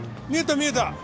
見えた見えた。